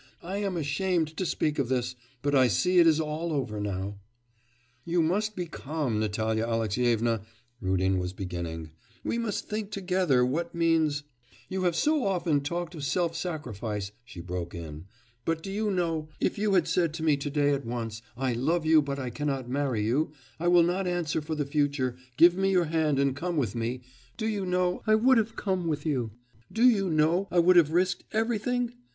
I am ashamed to speak of this but I see it is all over now.' 'You must be calm, Natalya Alexyevna,' Rudin was beginning; 'we must think together what means ' 'You have so often talked of self sacrifice,' she broke in, 'but do you know, if you had said to me to day at once, "I love you, but I cannot marry you, I will not answer for the future, give me your hand and come with me" do you know, I would have come with you; do you know, I would have risked everything?